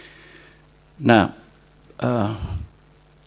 publik suka dan itu membuat dia dipilih lagi